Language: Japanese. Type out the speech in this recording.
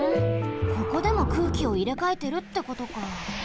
ここでも空気をいれかえてるってことか。